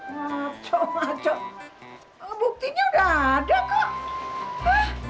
ngaco ngaco buktinya udah ada kok